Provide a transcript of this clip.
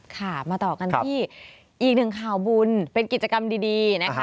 ค่ะมาต่อกันที่อีกหนึ่งข่าวบุญเป็นกิจกรรมดีนะคะ